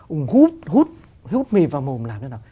ông hút hút hút mì vào mồm làm như thế nào